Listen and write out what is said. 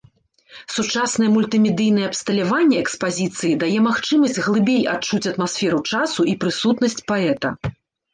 Сучаснае мультымедыйнае абсталяванне экспазіцыі дае магчымасць глыбей адчуць атмасферу часу і прысутнасць паэта.